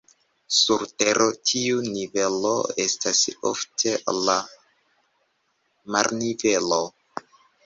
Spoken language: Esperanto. Sur Tero tiu nivelo estas ofte la marnivelo.